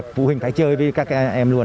như là phụ huynh phải chơi với các em luôn